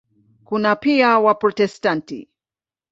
Kuna pia Waprotestanti.